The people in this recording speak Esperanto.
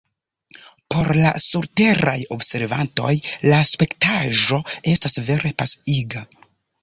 Por la surteraj observantoj la spektaĵo estas vere pasiiga!